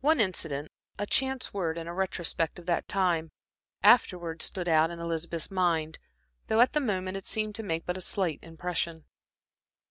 One incident, a chance word, in a retrospect of that time, afterwards stood out in Elizabeth's mind, though at the moment it seemed to make but a slight impression.